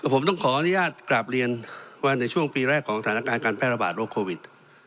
ผมต้องขออนุญาตกราบเรียนว่าในช่วงปีแรกของสถานการณ์การแพร่ระบาดโรคโควิด